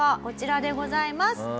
こちらでございます。